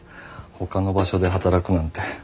ほかの場所で働くなんて。